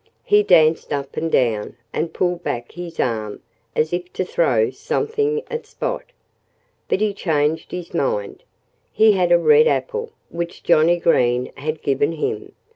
He danced up and down, and pulled back his arm, as if to throw something at Spot. But he changed his mind. He had a red apple, which Johnnie Green had given him.